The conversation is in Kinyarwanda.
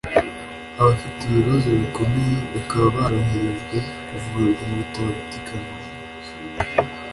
abafite ibibazo bikomeye bakaba barohejejwe kuvurirwa mu bitaro by’i Kanombe